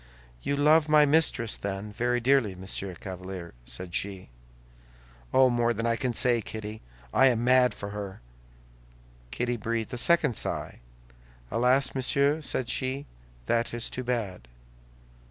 "You love my mistress, then, very dearly, Monsieur Chevalier?" said she. "Oh, more than I can say, Kitty! I am mad for her!" Kitty breathed a second sigh. "Alas, monsieur," said she, "that is too bad."